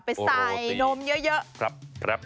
ไปใส่นมเยอะ